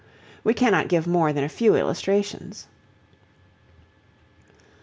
We cannot give more than a few illustrations.